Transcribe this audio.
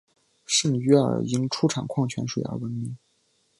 圣约尔因出产矿泉水而闻名。